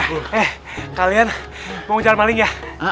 eh kalian mau jalan maling ya